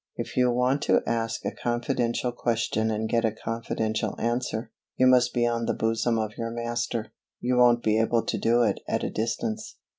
If you want to ask a confidential question and get a confidential answer, you must be on the bosom of your Master. You won't be able to do it at a distance.